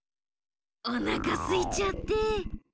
おなかすいちゃって。